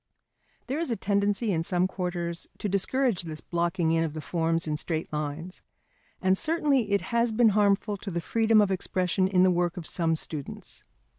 There is a tendency in some quarters to discourage this blocking in of the forms in straight lines, and certainly it has been harmful to the freedom of expression in the work of some students.